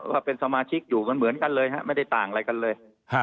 ว่าเป็นสมาชิกอยู่กันเหมือนกันเลยฮะไม่ได้ต่างอะไรกันเลย